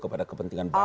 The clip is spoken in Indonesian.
kepada kepentingan bangsa